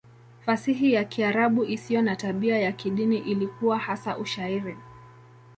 Fasihi ya Kiarabu isiyo na tabia ya kidini ilikuwa hasa Ushairi.